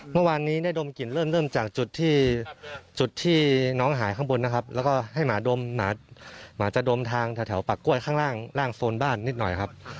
เมื่อวานนี้ได้ดมกลิ่นเริ่มจากจุดที่จุดที่น้องหายข้างบนนะครับแล้วก็ให้หมาดมหมาจะดมทางแถวปากกล้วยข้างล่างล่างโซนบ้านนิดหน่อยครับ